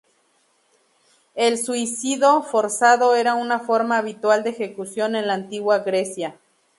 El suicido forzado era una forma habitual de ejecución en la antigua Grecia.